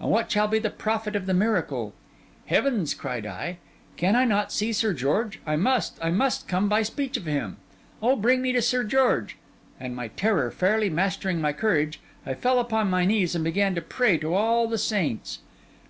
and what shall be the profit of the miracle?' 'Heavens!' cried I, 'can I not see Sir George? I must, I must, come by speech of him. Oh, bring me to Sir George!' And, my terror fairly mastering my courage, I fell upon my knees and began to pray to all the saints.